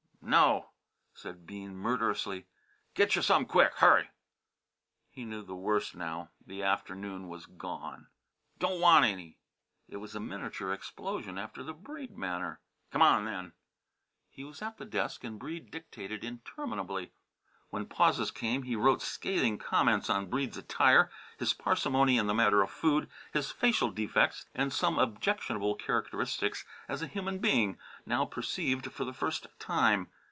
"No!" said Bean, murderously. "Gitcha some quick. Hurry!" He knew the worst now. The afternoon was gone. "Don't want any!" It was a miniature explosion after the Breede manner. "C'mon, then!" He was at the desk and Breede dictated interminably. When pauses came he wrote scathing comments on Breede's attire, his parsimony in the matter of food, his facial defects, and some objectionable characteristics as a human being, now perceived for the first time.